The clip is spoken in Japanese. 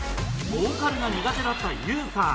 ボーカルが苦手だったユウさん。